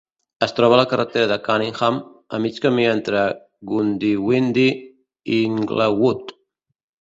Es troba a la carretera de Cunningham, a mig camí entre Goondiwindi i Inglewood.